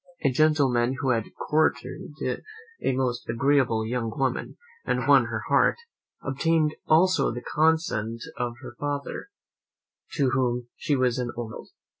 A gentleman who had courted a most agreeable young woman, and won her heart, obtained also the consent of her father, to whom she was an only child.